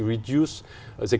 dễ dàng hơn